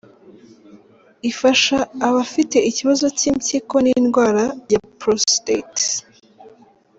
Ifasha abafite ikibazo cy’impyiko n’indwara ya prostate.